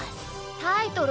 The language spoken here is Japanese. タイトル